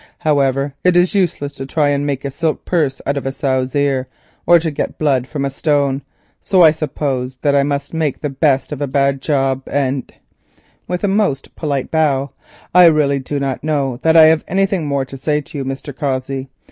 However, it is useless to try to make a silk purse out of a sow's ear, or to get blood from a stone, so I suppose that I must make the best of a bad job—and," with a most polite bow—"I really do not know that I have anything more to say to you, Mr. Cossey.